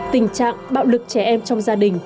tình trạng bạo lực trẻ em trong gia đình